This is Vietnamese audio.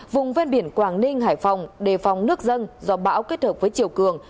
vùng ven biển quảng ninh hải phòng đề phòng nước dân do bão kết hợp với chiều cường